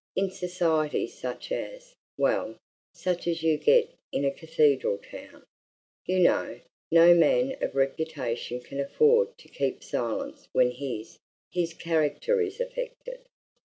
In society such as well, such as you get in a cathedral town, you know, no man of reputation can afford to keep silence when his his character is affected."